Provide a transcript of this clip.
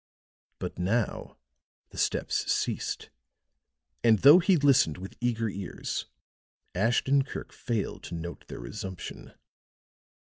But now the steps ceased, and though he listened with eager ears, Ashton Kirk failed to note their resumption.